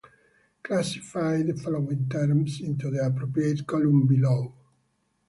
Classify the following terms into the appropriate column below.